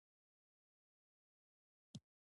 مېرمن نېکبختي د خپل وخت علوم لوستلي ول.